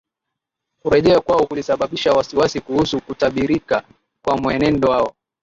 Kurejea kwao kulisababisha wasiwasi kuhusu kutabirika kwa mwenendo wao